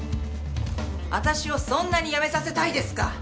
私をそんなに辞めさせたいですか！？